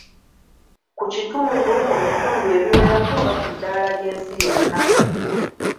Ku kitundu, mu bitundu ebiwerako oba ku ddaala ly’ensi yonna.